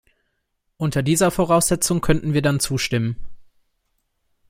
Unter dieser Voraussetzung könnten wir dann zustimmen.